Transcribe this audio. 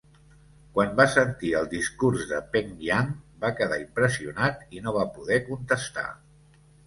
Quan va sentir el discurs de Peng Yang, va quedar impressionat i no va poder contestar.